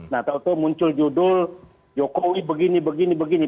nah waktu itu muncul judul jokowi begini begini begini